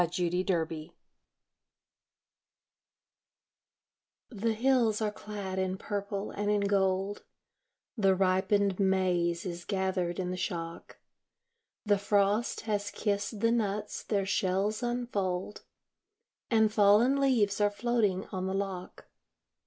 SEPTEMBER The hills are clad in purple and in gold, The ripened maize is gathered in the shock, The frost has kissed the nuts, their shells unfold, And fallen leaves are floating on the lock.